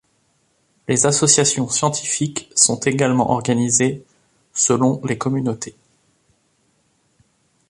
Les associations scientifiques sont également organisées selon les communautés.